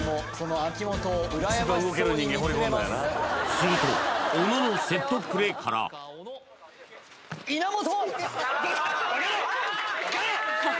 すると小野のセットプレーから稲本！